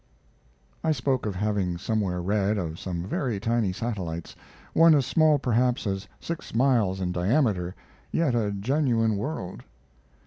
I spoke of having somewhere read of some very tiny satellites, one as small, perhaps, as six miles in diameter, yet a genuine world.